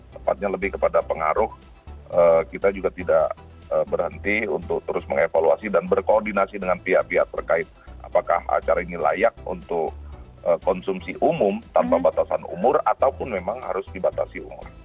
tepatnya lebih kepada pengaruh kita juga tidak berhenti untuk terus mengevaluasi dan berkoordinasi dengan pihak pihak terkait apakah acara ini layak untuk konsumsi umum tanpa batasan umur ataupun memang harus dibatasi umur